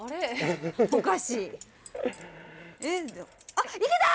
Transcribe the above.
あっいけた！